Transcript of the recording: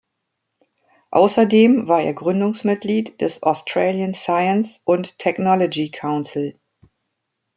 Außerdem war er Gründungsmitglied des „Australian Science und Technology Council“.